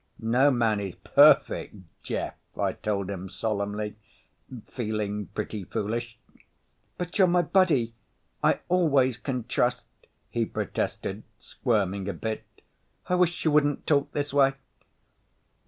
"No man is perfect, Jeff," I told him solemnly, feeling pretty foolish. "But you're my buddy I always can trust," he protested, squirming a bit. "I wish you wouldn't talk this way."